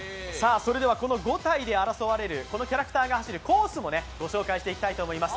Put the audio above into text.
この５体で争われるこのキャラクターが走るコースもご紹介したいと思います。